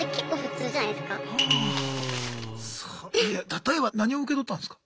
例えば何を受け取ったんすか？